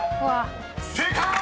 ［正解！］